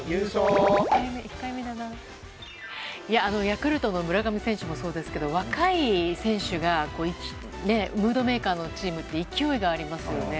ヤクルトの村上選手もそうですけど若い選手がムードメーカーのチームは勢いがありますね。